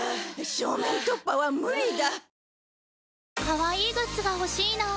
正面突破は無理だ。